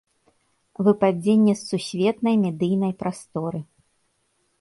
Выпадзенне з сусветнай медыйнай прасторы.